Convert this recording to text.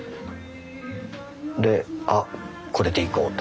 で「あっこれでいこう」と。